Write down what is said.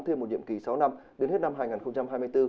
thêm một nhiệm kỳ sáu năm đến hết năm hai nghìn hai mươi bốn